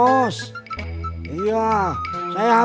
moms udah kembali ke tempat yang sama